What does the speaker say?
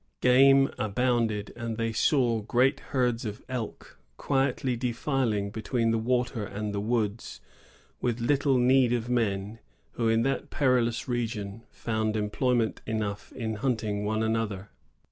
Game abounded; and they saw great herds of elk quietly defiling between the water and the woods, with little heed of men, who in that perilous region found employment enough in hunting one another.